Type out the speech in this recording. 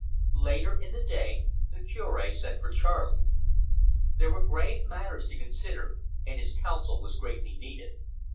Later in the day the Cure sent for Charley. There were grave matters to consider, and his counsel was greatly needed.